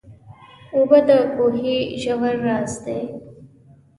اوبه د کوهي ژور راز دي.